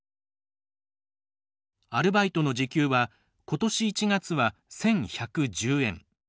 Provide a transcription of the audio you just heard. アルバイトの時給は今年１月は１，１１０円。